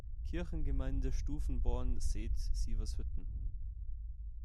Kirchengemeinde Stuvenborn-Seth-Sievershütten.